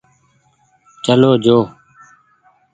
چلو جو ۔